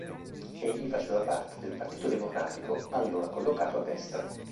Egli faceva parte del Partito Democratico, allora collocato a destra.